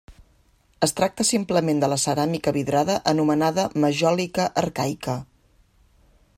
Es tracta simplement de la ceràmica vidrada anomenada majòlica arcaica.